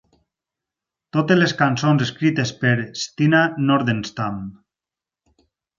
Totes les cançons escrites per Stina Nordenstam.